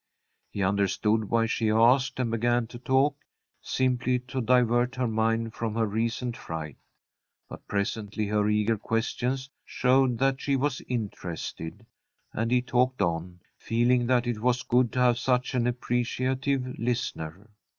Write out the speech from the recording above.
He understood why she asked, and began to talk, simply to divert her mind from her recent fright. But presently her eager questions showed that she was interested, and he talked on, feeling that it was good to have such an appreciative listener.